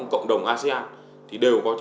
cộng đồng asean thì đều có